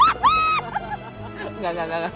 enggak enggak enggak